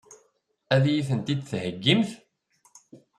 Ad iyi-tent-id-theggimt?